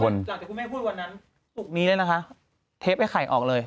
จากที่คุณแม่พูดวันนั้นศุกร์นี้เลยนะคะเทปไอ้ไข่ออกเลย